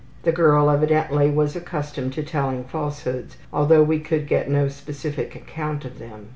The girl evidently was accustomed to telling falsehoods, although we could get no specific account of them.